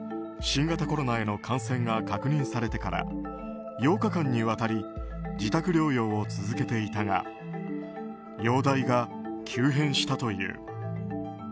新型コロナへの感染が確認されてから８日間にわたり自宅療養を続けていたが容体が急変したという。